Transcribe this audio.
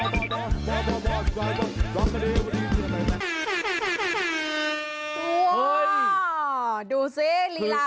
สบัดข่าวเด็ก